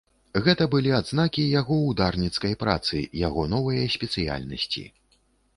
Гэта былі адзнакі яго ўдарніцкай працы, яго новыя спецыяльнасці.